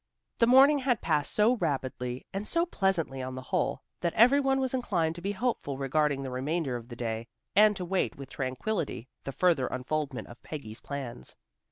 The morning had passed so rapidly, and so pleasantly on the whole, that every one was inclined to be hopeful regarding the remainder of the day, and to wait with tranquillity the further unfoldment of Peggy's plans.